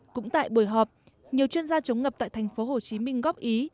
cũng tại buổi họp nhiều chuyên gia chống ngập tại thành phố hồ chí minh góp ý